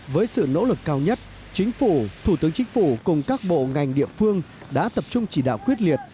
với sự nỗ lực cao nhất chính phủ thủ tướng chính phủ cùng các bộ ngành địa phương đã tập trung chỉ đạo quyết liệt